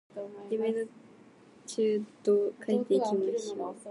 夢の中道描いていきましょう